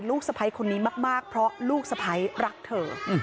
ลูกสะไพรคนนี้มากเพราะลูกสะไพรรักเธอ